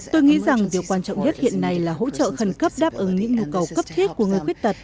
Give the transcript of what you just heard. tôi nghĩ rằng điều quan trọng nhất hiện nay là hỗ trợ khẩn cấp đáp ứng những nhu cầu cấp thiết của người khuyết tật